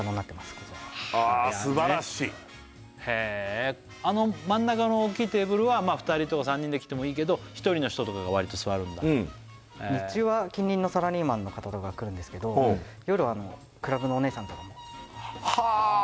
こちらすばらしいへえあの真ん中の大きいテーブルは２人とか３人で来てもいいけど１人の人とかが割と座るんだ日中は近隣のサラリーマンの方とかが来るんですけど夜はクラブのお姉さんとかもはあ